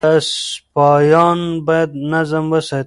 سپایان باید نظم وساتي.